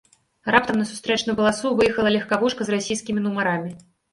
Раптам на сустрэчную паласу выехала легкавушка з расійскімі нумарамі.